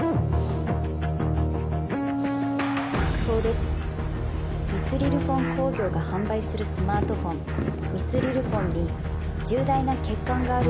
「特報ですミスリルフォン工業が販売するスマートフォン」「ミスリルフォンに重大な欠陥があることが」